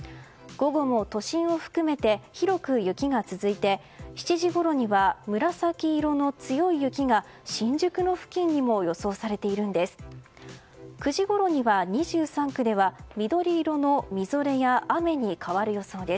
午後も都心を含めて広く雪が続いて７時ごろには紫色の強い雪が新宿の付近にも予想されているんです。